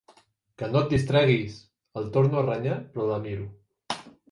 Que no et distreguis! —el torno a renyar, però la miro.